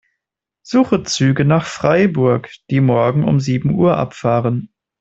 Suche Züge nach Freiburg, die morgen um sieben Uhr abfahren.